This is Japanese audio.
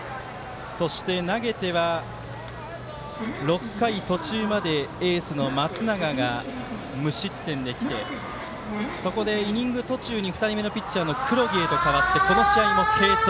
そして、投げては６回途中までエースの松永が無失点できてそこで、イニング途中に２人目のピッチャーの黒木へと代わって、この試合も継投。